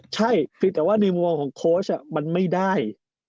ใช่แต่ว่าในมุมวังของโค้ชมันไม่ได้